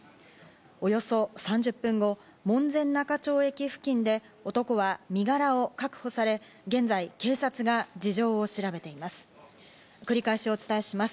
およそ３０分後、門前仲町駅付近で男は身柄を確保され、現在警察が事情を調べています。